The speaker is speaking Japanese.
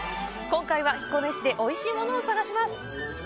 今回は、彦根市でおいしいものを探します！